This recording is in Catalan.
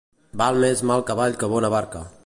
Val més mal cavall que bona barca.